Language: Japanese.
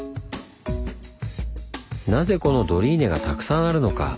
なぜこのドリーネがたくさんあるのか。